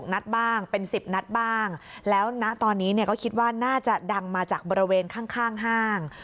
นัดบ้างเป็น๑๐นัดบ้างแล้วณตอนนี้เนี่ยก็คิดว่าน่าจะดังมาจากบริเวณข้างห้าง